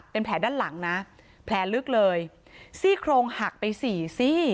เป็นแผลด้านหลังนะแผลลึกเลยซี่โครงหักไปสี่ซี่